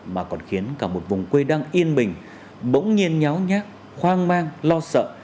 mà còn khiến cả một vùng quê đang yên bình bỗng nhiên nháo nhát hoang mang lo sợ